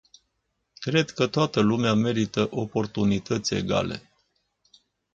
Cred că toată lumea merită oportunități egale.